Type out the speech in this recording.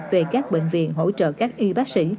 về các bệnh viện hỗ trợ các y bác sĩ